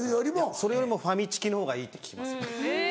それよりもファミチキのほうがいいって聞きます。